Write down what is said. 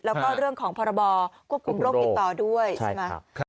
แล้วก็เรื่องของพรบควบคุมโรคติดต่อด้วยใช่ไหม